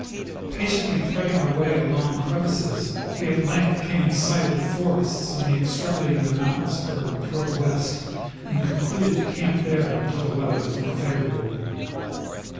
Patiently threading our way among crevasses, we at length came in sight of the forests on the extremity of the moun tain spur toward the west, and concluded to camj) there until the weather was more favorable.